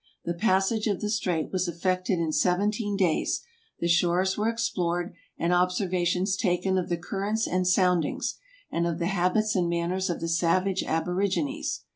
The passage of the Strait was effected in seventeen days, the shores were explored and observations taken of the currents and soundings, and of the habits and manners of the savage aborigines.